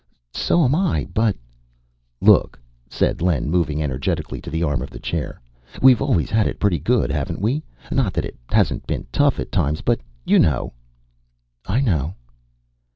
"So am I, but " "Look," said Len, moving energetically to the arm of her chair. "We've always had it pretty good, haven't we? Not that it hasn't been tough at times, but you know." "I know."